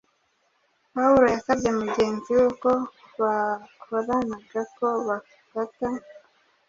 Pawulo yasabye mugenzi we ko bakoranaga ko bafata